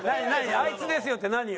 「あいつですよ」って何よ？